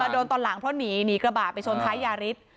มาโดนตอนหลังเพราะหนีกระบะไปชนท้ายยาริส